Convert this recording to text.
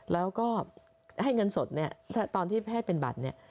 แล้วก็ให้เงินสดเนี่ยตอนที่ให้เป็นบัตรเนี่ย